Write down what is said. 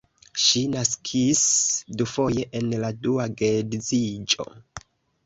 Ŝi naskis dufoje en la dua geedziĝo.